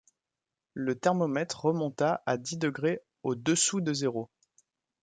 Le thermomètre remonta à dix degrés au-dessous de zéro.